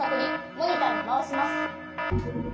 モニターにまわします。